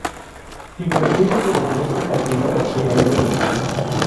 Sin perjuicio de los derechos de acreedores y herederos.